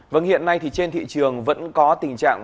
vâng hiện nay thì trên thị trường vẫn có tình trạng